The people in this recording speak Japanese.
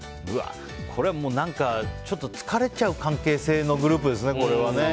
これはちょっと疲れちゃう関係性のグループですね、これは。